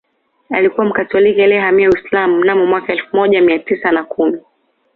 Alikuwa Mkatoliki aliyehamia Uislamu mnamo mwaka elfu moja mia tisa na kumi